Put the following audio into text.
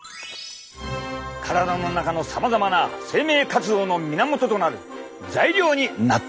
体の中のさまざまな生命活動の源となる材料になっている！